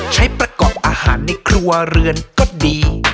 ใช้ประกอบอาหารในครัวเรือนก็ดี